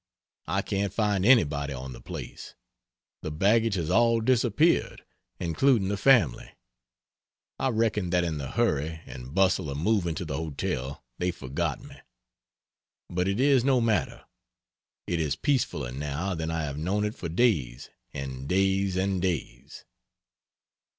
I can't find anybody on the place. The baggage has all disappeared, including the family. I reckon that in the hurry and bustle of moving to the hotel they forgot me. But it is no matter. It is peacefuller now than I have known it for days and days and days.